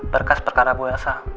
berkas perkara buasa